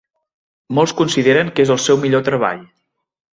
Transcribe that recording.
Molts consideren que és el seu millor treball.